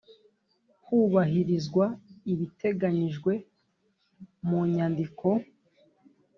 hubahirizwa ibiteganyijwe mu nyandiko